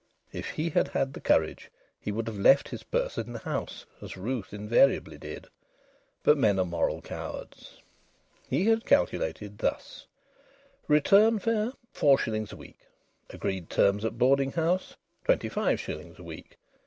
If he had had the courage he would have left his purse in the house as Ruth invariably did. But men are moral cowards. He had calculated thus: Return fare, four shillings a week. Agreed terms at boarding house, twenty five shillings a week.